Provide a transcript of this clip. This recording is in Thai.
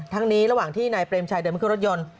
ทั้งนี้ระหว่างที่นายเปรมชัยเดินมาขึ้นรถยนต์